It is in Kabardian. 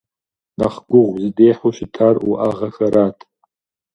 Нэхъ гугъу зыдехьу щытар уӏэгъэхэрат.